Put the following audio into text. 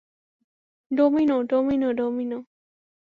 Domino, domino, domino.